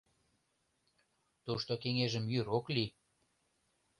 Тушто кеҥежым йӱр ок лий.